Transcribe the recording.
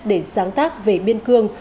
để sáng tác về biên cương